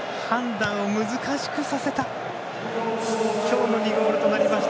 判断を難しくさせた今日の２ゴールとなりました